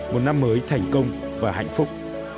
một năm mới thành công và hạnh phúc